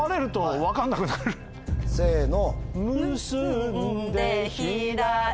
せの。